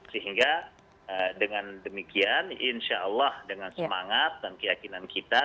sehingga dengan demikian insya allah dengan semangat dan keyakinan kita